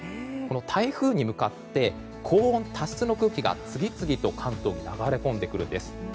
台風に向かって高温多湿の空気が関東に流れ込んできます。